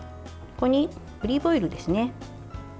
ここにオリーブオイルですね。